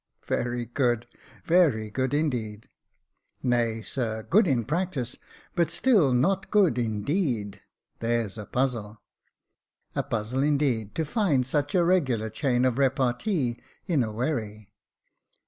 "Very good — very good, indeed." '* Nay, sir, good in practice, but still not good in deed ^ there's a puzzle." " A puzzle, indeed, to find such a regular chain of repartee in a wherry."